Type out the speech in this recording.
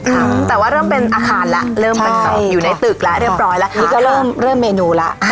ค่ะแต่ว่าเริ่มเป็นอาคารแล้วเริ่มเป็นอยู่ในตึกแล้วเรียบร้อยแล้วทีนี้ก็เริ่มเริ่มเมนูแล้ว